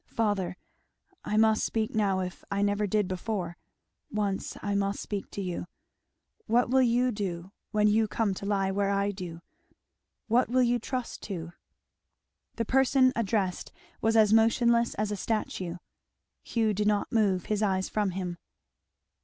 "Father I must speak now if I never did before once I must speak to you, what will you do when you come to lie where I do? what will you trust to?" The person addressed was as motionless as a statue. Hugh did not move his eyes from him.